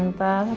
enggak kok tante